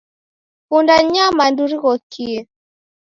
Punda ni nyamandu righokie.